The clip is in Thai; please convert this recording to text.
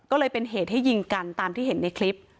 ก็เลยเป็นเหตุให้ยิงกันตามที่เห็นในคลิป